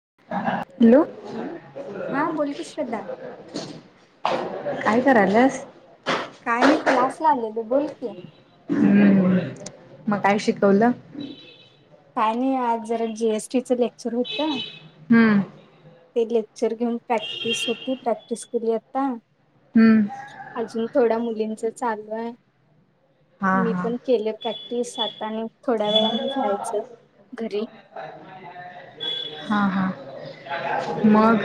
[inaudible] Hello हा बोल की श्रद्धा काय कराल्यास. काय नाही क्लास ला आले बोल की. हम्म मग काय शिक वल. काय नाही आज जरा जीएसटी चं लेक्चर होत. हम्म. ते लेक्चर घेऊन प्रॅक्टिस होती, प्रॅक्टिस केली आता हम्म अजून थोड्या मुलींच चालू आहे. हा मी हा पण केलं प्रॅक्टिस आता आणि थोड्या वेळा जायच घरी. हा हा मग.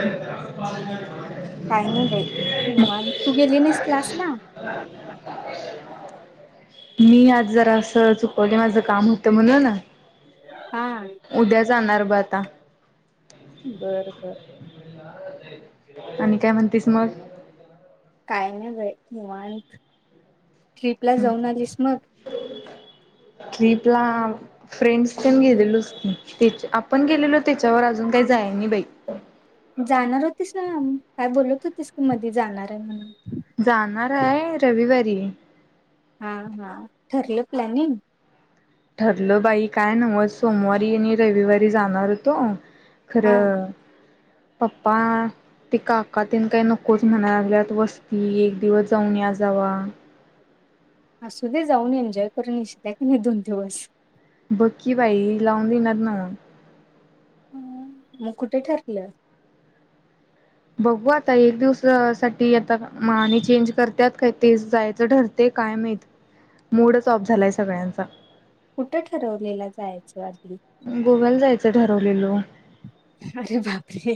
काही नाही बाई. निवांत, तू गेली नाहीस क्लासला? मी आज जरासं चुकवले माझं काम होतं म्हणून. हा उद्या जाणार ब आता. बर बर आणि काय म्हणतीस मग मुवांत ट्रिप ला जाऊन आलीस मग? ट्रिपला फ्रेंड्स पण घेलेलो स की त्या आपण गेलेलो त्याच्यावर अजून काही जाय नाही बाई. जाणार होतीस ना काय बोलत होतीस की मधी जाणार आहे म्हणून, जाणार हाय रविवारी हा हा ठरलं प्लॅनिंग, ठरलं बाई काय नव्ह सोमवारी आणि रविवारी जाणारतो हा खरं पप्पा ते काकाातन काही नकोच म्हणायल्यात वस्ती एक दिवस जाऊन या जावा. असू दे जाऊन एन्जॉय करून इ्ित आहे का नाही दोन दिवस. बकी बाई लावून दिनात नव्ह. हम मग कुठे ठरलं बघू आता एक दिवस साठी आता माने चेंज करत्यात का ते जायचं ठरते काय माहित मूडच ऑफ झालाय सगळ्यांचा कुठं ठरवलेला जायचं वागली गोव्याला जायचं ठरवलेलो. अरे बापरे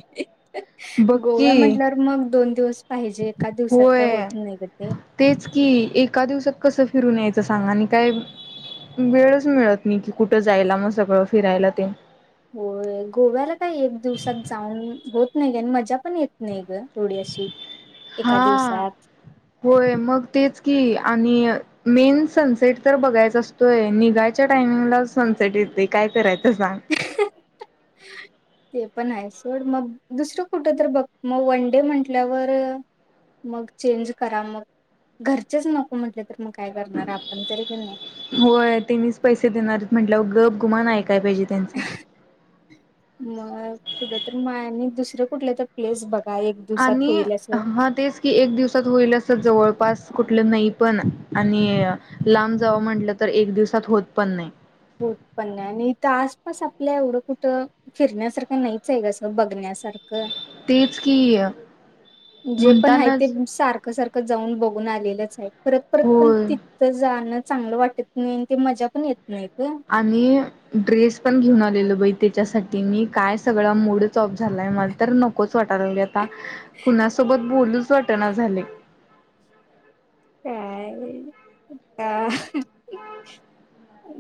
बघ गोवा की म्हटल्यावर मग दोन दिवस पाहिजे. एका दिवसात काय होत होय नाही ग ते तेच की एका दिवसात कसं फिरून यायचं सांगा आणि काय वेळच मिळत नाही की कुठं जायला मग सगळं फिरायला तेन, हो गोव्याला काय एक दिवसात जाऊन होत नाही ग आणि मजा पण येत नाही ग एवढी अशी एका हा दिवसात होय मग तेच की आणि मेन सनसेट तर बघायचा असतोय निघायच्या टायमिंगला सनसेट येते काय करायचं रसाान ते पण आहे सोड मग दुसरं कुठं तर बघ मग वन डे म्हटल्यावर मग चेंज करा मग घरचेच नको म्हटले तर मग काय करणार आपण तरी क नाही होय तेनीच पैसे देणार आहेत म्हटलं गप गुमान पाहिजे त्यांचं. मग कुठ तर मायानी दुसरे कुठलं तर प्लेस बघ आणि हा तेच कि एक दिवसात होईल असं जवळपास कुठलं नाही पण आणि लांब जावं म्हटलं तर एक दिवसात होत पण नाही बत्पन्न आणिथ आसपास आपल्या एवढं कुठं फिरण्यासारखं नाहीच आहे कसं बघण्यासारखं तेच की जे पण आहे ते म्हणतानाच सारखं सारखं जाऊन बघून आलेलंच आहे परत परत पण होय. तिथथं जाणं चांगलं वाटत नाही आणि ते मजा पण येत नाही ग आणि ड्रेस पण घेऊन आलेल बै त्याच्यासाठी मी काय सगळा मूडच ऑफ झालाय मला तर नकोच वाटायला लाग आता कुणासोबत बोलूच वाटना झालय काय का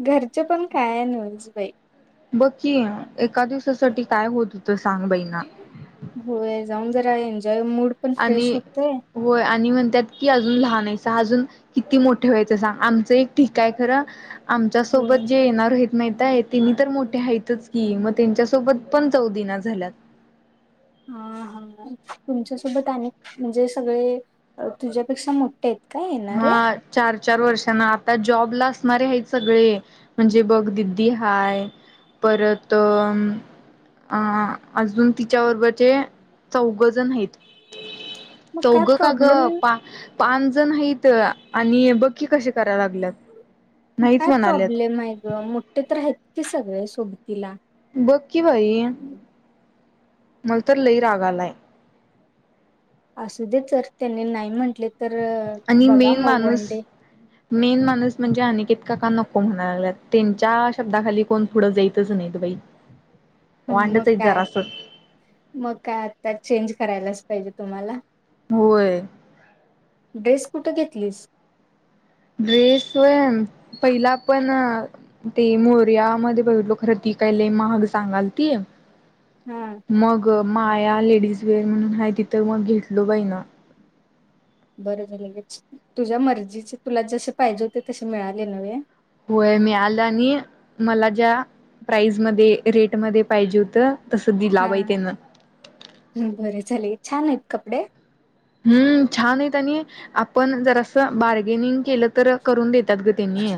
घरचं पण काय नव्हच बाई बघकीि एका दिवसासाठी काय होत होत सांग बाई ना होय जाऊन जरा एन्जॉय मूड पण आणि फ्रेश होतय होय आणि म्हणतात की अजून लहान आहे अजून किती मोठे व्हायचं सांग आमचं एक ठीकय खरा होय आमच्यासोबत जे येणार आहे मातय त्यांिनी तर मोठे आहेत की मग त्यांच्यासोबत पण जावू दिना झाल्यात ह हा तुमच्यासोबत अनेक म्हणजे सगळे तुझ्यापेक्षा मोठे आहेत काय येणारे हा चार चार वर्षांना आता जॉब ला अस े आहेत सगळे म्हणजे बघ दिदी हाय परत अजून तिच्याबरोबरचे चौघ जण आहेत मग काय तौघं का ग प्रॉब्लेम पाच जण आहेत तर आणि बघकी कसे करा लागल्यात नाहीच काय म्हणाल्यात प्रॉब्लेम आहे ग मोठे तर आहेत की सगळे सोबतीला ब कि बाई मलत लय राग आलाय असू दे चल त्यांनी नाही म्हण आणि मेन माणूस डे मेन माणूस म्हणजे अ का का नको म्हणाय लागलात त्यांच्या शब्दाखाली कोण पुढं जायेतच नाहीत बाई वांडच मग आहेत काय जरासं मग काय आता चेंज करायला पाहिजे तुम्हाला होय ड्रेस कुठं घेत लस ड्रेसय पहिला पण ते मोर्यामध्येध्ये बघितलो खरं ती काय लय महाग सांगाल ती हा मग माया लेडीज वेअर म्हणून आहे ति तर मग घेतलो बाई ना बरं झालंे तुझ्या मर्जीचे तुला जसे पाहिजे होते तसे मिळाले नव्हे होय मी आलं आणि मला ज्या प्राईसमध्ये रेटमध्ये पाहिजे होत तस दिला हा बाई त्यान बरे झाले छान आहेत कपडे. हम्म छान आहेत आणि आपण जरासं बार्गेनिंग केलं तर करून देत त्यात ग त्यांनी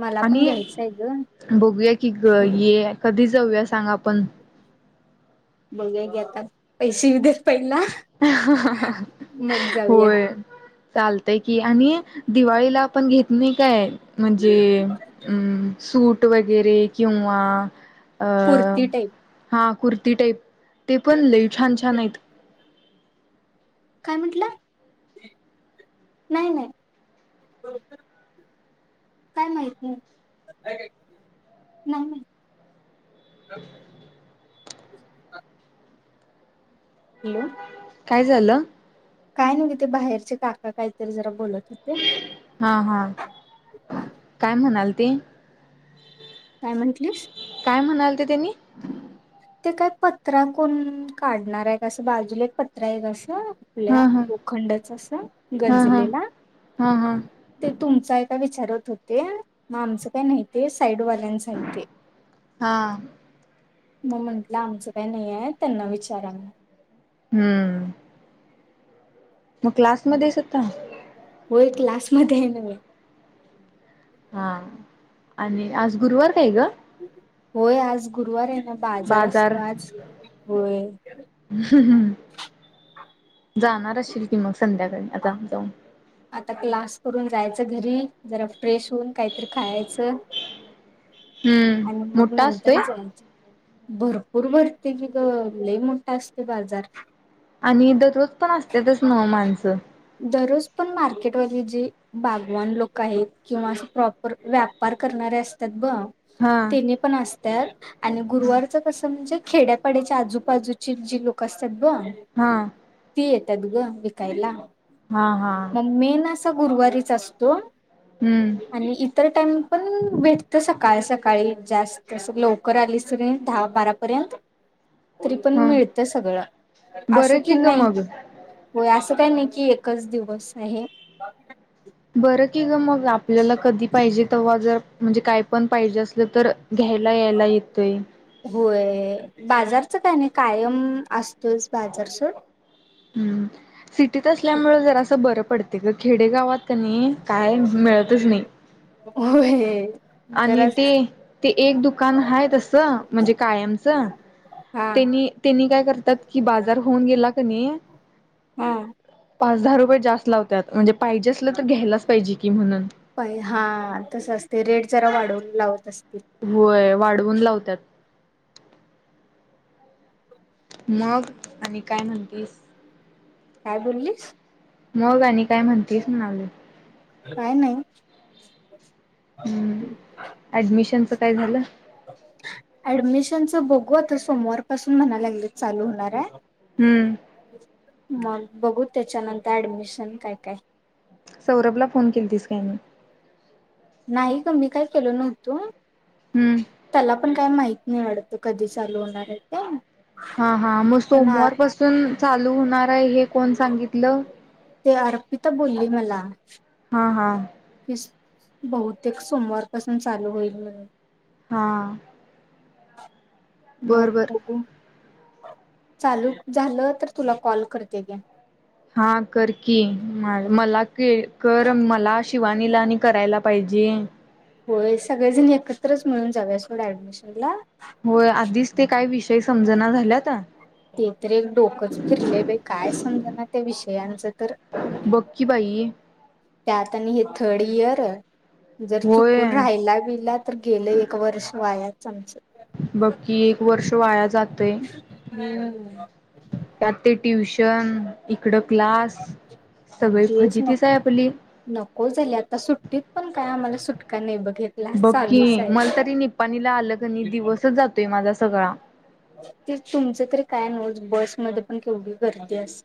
मला पण आणि घ्यायचं आहे ग बघूया की ग हे कधीच जाऊया सांग आपण. बघूया की आता पैसे येऊ दे पै जाऊया होय चालतंय की आणि दिवाळीला आपण घेत नाही काय म्हणजे अ सूट वगैरे किंवा. अ कुर्ती टाईप. हा कुर्ती टाईप. ते पण लई छान छान हाईत. काय म्हटलं? [inaudible] नाही नाही [inaudible] काय माहित नाही. [inaudible] नाही माहित. [inaudible] हॅलो. काय झालं. काय नाही ते बाहेरचे काका काहीतरी जरा बोलत होते हा हा काय म्हणाल ते. काय म्हंटलीस. काय म्हणाल ते तेनी? ते काय पत्रा कोण काढणार आहे, का असं बाजूला एक पत्रा आहे असं. आपल्या हा हा लोखंडाचं असं हा हा गंजलेला हा हा ते तुमचा एका वि चार होतं ते मग आमच काही नाही ते. साईड वाल्यांसाठी. हा मग म्हंटलं आमचं काही नाहीये, त्यांना विचारा. हम्म. मग क्लासमध्येच होता? होय क्लासमध्ये हाय नव्ह. हा आणि आज गुरुवार काय ग. होय आज गुरुवार आहे. बाजार असतो आज होय. जाणार असशील की मग संध्या आता क्लास करून. जायचं घरी जरा फ्रेश होऊन काहीतरी खायचं. हम्म आणि मग मोठा असतोय. नंतर जायच. भरपूर भर. [unintelligible] लय मोठ शस्त बाजार आणि दररोज पण असतातचं नव्हं माणसं दररोज पण मार्केटवरील जे बागवान लोक आहेत किंवा असे प्रॉपर व्यापार करणारे असतात ब हा तने पण असं त्या आणि गुरुवारचं कसं म्हणजे खेड्या-पाड्याची आजूबाजूची जी लोक असतात ब हा ति येत्या त्यागं विकायला हा हा मग मेन असा गुरुवारीच असतो हम्म आणि इतर टण पण भेटतं सकाळ सकाळी जास्त असं लवकर आलीस कणी दहा बारा पर्यंत तरी पण हा मिळत सगळं असं बरं की ग नाही मग होय असं काही नाही की एक एकच दिवस आहे. बरं कि गं मग आपल्याला कधी पाहिजे तव्हा जर म्हणजे काय पण पाहिजे असलं तर घ्यायला यायला येतोय होय बाजार काय नाही कायम असतोच बाजारसोड हम्म सिटीत असल्यामुळे जरासं बर पडतयं गं खेडेगावात कनी काय मिळतच नाही होय आणि ते जराच ते एक दुकान हाय तसं म्हणजे कायमच हा त्यांनी त्यांनी काय करतात की बाजार होऊन गेला कणी हा पाच दहा रुपये जास्त लावत्यात म्हणजे पाहिजे असलं तर घ्यायलाच पाहिजे की म्हणून पै हा तसं असते रेट जरा वाढवून लावत अस होय वाढवून लावत्यात मग आणि काय म्हणतीस? काय बोललीस मग आणि काय म्हणतीस म्हणालोय काय नाही. हम् ऍडमिशनच काय झालं घु आता सोमवार पासून म्हणाय लागलेत चालू होणार हाय हम्म. मग बघू त्याच्यानंतर ऍडमिशन काय काय सौरभला फोन केलतीस काय नई नाही ग मी काय केलो नव्हतो. हम्म. त्याला पण काय माहित [unintelligible] अडतं कधी चालू होणार आहे ते हा हा म पण आ- सोमवार पासून चालू होणार काय हे कोण सांगितलं? ते अर्पिता बोलली मला हा, हा की स- बहुतेक सोमवारपासून चालू होईल म्हणून हा [inaudible] बर मग बर. बगु चालू झालं तर तुला कॉल करते घे हा कर की. म मला के कर मला शिवानीला आणि करायला पाहिजे होय सगळेजण एकत्रच मिळून जाऊया सोडा ऍडमिशन ला होय आधीच ते काय विषय समजना झाल्यात ते तर एक डोकच फिरले बाई काय समजना त्या विष यांचं तर बक्की बाई त्यात आणि हे थर्ड इयर [unintelligible] जर होय चुकून राहाला बियला तर गेलं एक वर्ष वाया चांगच बक्की एक वर्ष वाया जात हम्म. त्यात ते ट्युशन इकडं क्लास सगळी तेच न फजितीच आहे आपली नको झाली आता सुट्टीत पण काय आम्हाला सुट का नाही बघ. हे क्लास बघकी चालूच आहे. मला तरी निपाणीला आलं क नाही दिवसच जातोय माझा सगळा. ते तुमच तरी काय नव्हत बसमध्ये पण केवढी गर्दी अस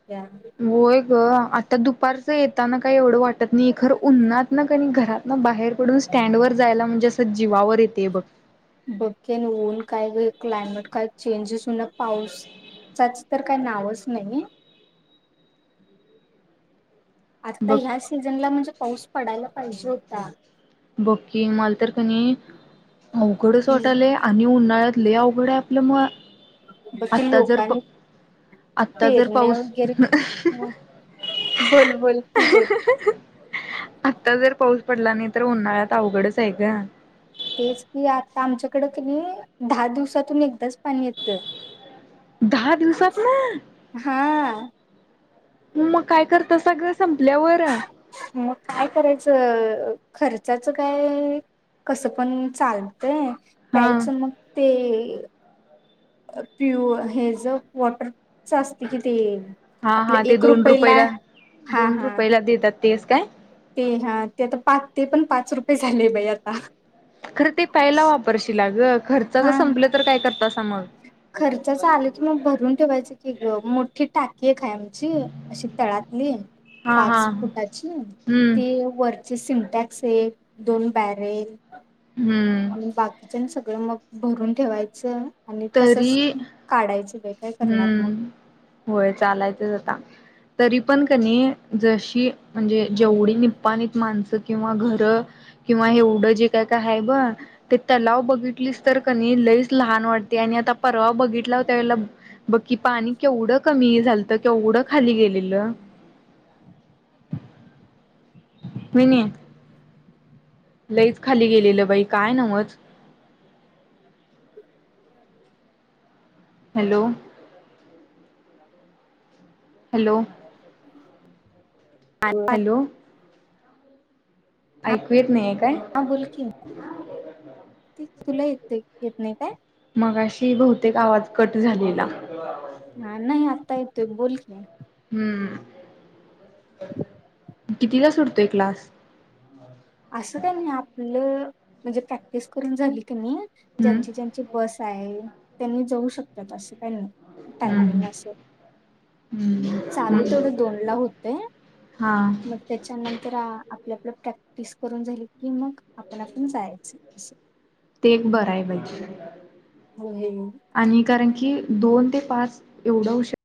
होय ग आता दुपारचं येताना काय एवढं वाटत नाही खरं उन्नातनं कणी घरातनं बाहेर पडुन स्टँड वर जायला म्हणजे जीवावर येते बघ. बघ की आणि ऊन काय क्लायमेट काय चेंजेस होईना पाऊसचाच तर काही नावच नाही. आता बघ ह्या सीझनला म्हणजे पाऊस पडायला पाहिजे होता. बक्की मला तर कनी अवघडच हम्म वाटालय आणि उन्हाळ्यात लयीत अवघड हाय आपलं म. बघ की आता जर लोकांनी आता जर पेरण्या पाऊस, वगैरे बोल बोल तू बोल. आता जर पाऊस पडला नाही तर उन्हाळ्यात अवघडच आहे गं. तेच की आता आमच्याकडं कणी दहा दिवसातून एकदाच पाणी येत. दहा दिवसातनं. हा मग काय करत सगळं संपल्यावर? मग काय करायचं खर्चाचं काय कसं पण चालतंय. हा प्यायचं मग ते [unintelligible] प्युअ हे ज वॉटरच असते की ते हा आपलं हा ते एक दोन रुपयला हा दोन हा रुपयला देतात तेच काय? ते हा ते आता पाच ते पण पाच रुपये झाले बाई आता. खरं ते प्यायला वापरशीला ग. खर्चाचा हा संपलं तर काय करता खर्चाच आले क मग भरून ठेवायचे कि ग मोठी टाक की एक हाय आमची अशी तळात ली. हा हा पाच फुटाची हम्म ती वर सिटॅक्स एक दोन बॅरेल. हम्म आणि बाकीच्या सग ळं मग भरून ठेवायचं. आणि तसच तरी काढायचं बाई काय करणार मग. हम्म, होय चालायचंच आता. तरी पण कनी जशी म्हणजे जेवढी निपाणीत माणसं किंवा घर किंवा हेवढं जे काय काय आहे ब ते तलाव बघितलीस तर क नाही लईच लहान वाट ते आणि आता परवा बघितलाव त्या वेळेला बकी पाणी केवढं कमी झालत केवढं खाली गेलेलं. होयनी. लईच खाली गेलेलं बाई काय नवच. हॅलो हॅलो हा हॅलो ऐकू येत नाहीय काय? बोल की. तुला येत येत नाही काय? मगाशी बहुतेक आवाज कट झालेला. हा नाही आप आता येतोय बोल की हम्म [unintelligible] किती तास सुटतोय क्लास? असं का नाही आपलं म्हणजे प्रॅक्टिस करून झाली की नाही ज्यांची हम्म ज्यांची बस आहे त्यांनी जाऊ शकतात असं काही नाही. हम्म टायमिंग अस हम्म चालू तेवढ हम्म दोन ला होतय हा मग त्याच्यानंतर आपल्या म प्रॅक्टिस करून झाली कि मग आपण आपण जायचं. अस ते एक बरं आहे बाई. हो हे आणि कारण की दोन ते पाच एवढं होऊ शकत.